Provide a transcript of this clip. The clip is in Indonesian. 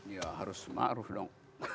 ya harus maruf dong